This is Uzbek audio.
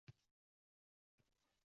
Qulog’imga sekin shivirlab